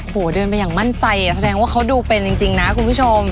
เดินไปอย่างมั่นใจแสดงว่าเขาดูเป็นจริงนะคุณผู้ชม